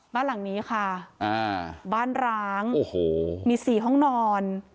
บ้านหลังนี้ค่ะบ้านร้างโอ้โหมี๔ห้องนอน